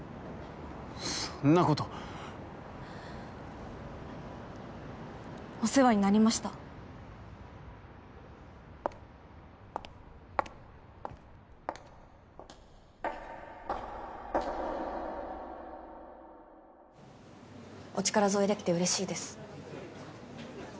そんなことお世話になりましたお力添えできてうれしいです